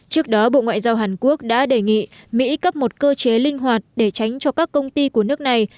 trước đó bộ ngoại giao hàn quốc đã đề nghị mỹ cấp một cơ chế linh hoạt để tránh cho các công ty của nước này